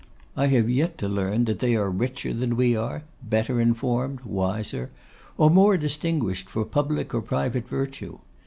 I have yet to learn they are richer than we are, better informed, wiser, or more distinguished for public or private virtue.